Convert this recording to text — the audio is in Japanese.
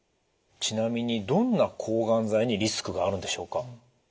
ちなみにどんな抗がん剤にリスクがあるんでしょうか？